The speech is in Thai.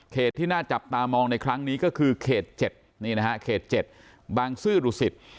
เขตที่น่าจับตามองในครั้งนี้ก็คือเขต๗บางซื่อรุศิษฐ์